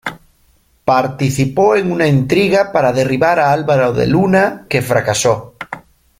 Participó en una intriga para derribar a Álvaro de Luna, que fracasó.